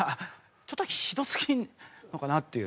ちょっとひどすぎるのかなっていう。